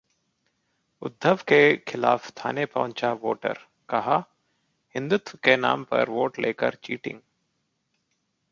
उद्धव के खिलाफ थाने पहुंचा वोटर, कहा- हिंदुत्व के नाम पर वोट लेकर चीटिंग